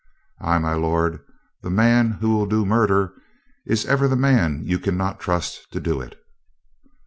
"Ay, my lord, the man who will do murder is ever the man you can not trust to do it."